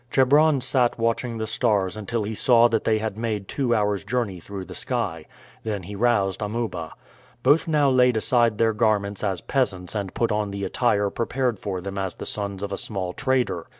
Chebron sat watching the stars until he saw that they had made two hours' journey through the sky. Then he roused Amuba. Both now laid aside their garments as peasants and put on the attire prepared for them as the sons of a small trader.